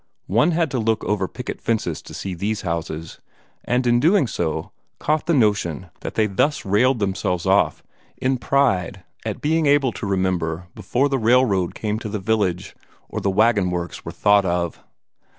One had to look over picket fences to see these houses, and in doing so caught the notion that they thus railed themselves off in pride at being able to remember before the railroad came to the village, or the wagon works were thought of.